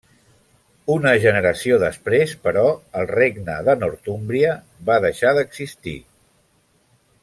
Una generació després, però, el regne de Northúmbria va deixar d'existir.